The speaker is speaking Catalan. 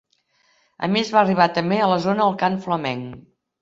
Amb ells va arribar també a la zona el cant flamenc.